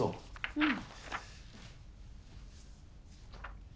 うん。